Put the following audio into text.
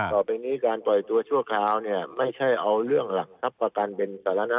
ต่อไปนี้การปล่อยตัวชั่วคราวเนี่ยไม่ใช่เอาเรื่องหลักทรัพย์ประกันเป็นสาระ